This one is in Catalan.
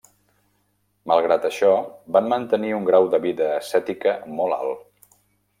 Malgrat això, van mantenir un grau de vida ascètica molt alt.